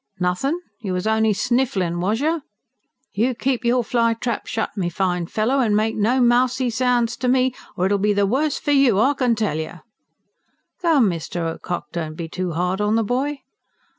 "Nothin'? You was only snifflin', was you? You keep your fly trap shut, my fine fellow, and make no mousy sounds to me, or it'll be the worse for you, I can tell you!" "Come, Mr. Ocock, don't be too hard on the boy."